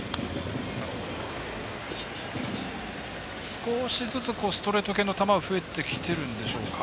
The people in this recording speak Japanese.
少しずつストレート系の球は増えてきているんでしょうか。